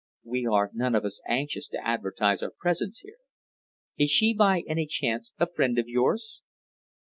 We are none of us anxious to advertise our presence here. Is she, by any chance, a friend of yours?"